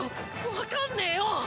わかんねえよ！！